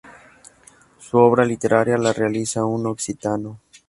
Su obra literaria la realiza en occitano.